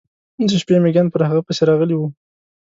د شپې میږیان پر هغه پسې راغلي و.